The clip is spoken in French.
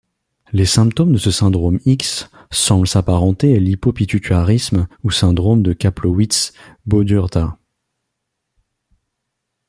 Les symptômes de ce syndrome X semblent s’apparenter à l'hypopituitarisme ou syndrome de Kaplowitz-Bodurtha.